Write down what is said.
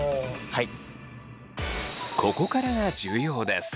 はい。